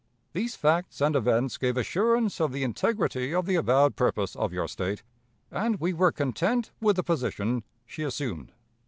These facts and events gave assurance of the integrity of the avowed purpose of your State, and we were content with the position she assumed.